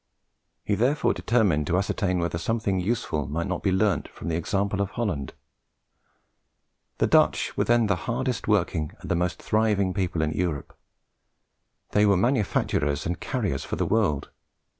He therefore determined to ascertain whether something useful might not be learnt from the example of Holland. The Dutch were then the hardest working and the most thriving people in Europe. They were manufacturers and carriers for the world.